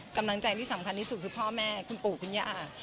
กำลังใจที่สำคัญที่สุดคือพ่อแม่คุณปู่คุณย่า